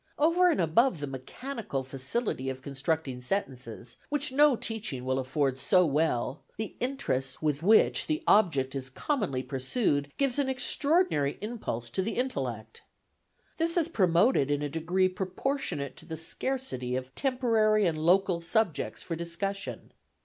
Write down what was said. Over and above the mechanical facility of constructing sentences, which no teaching will afford so well, the interest with which the object is commonly pursued gives an extraordinary impulse to the intellect. This is promoted in a degree proportionate to the scarcity of temporary and local subjects for discussion.